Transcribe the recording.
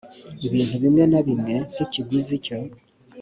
bintu bimwe na bimwe nk ikiguzi cyo